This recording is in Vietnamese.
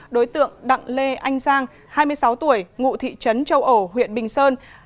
đối tượng đặng lê anh giang hai mươi sáu tuổi ngụ thị trấn châu ổ huyện bình sơn